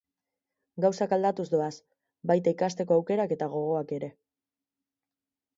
Gauzak aldatuz doaz, baita ikasteko aukerak eta gogoak ere.